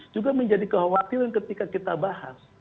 juga menjadi kekhawatiran ketika kita bahas